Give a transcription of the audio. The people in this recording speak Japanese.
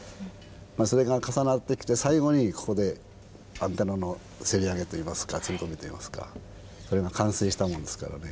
それが重なってきて最後にここでアンテナのせり上げといいますか積み込みといいますかそれが完成したもんですからね。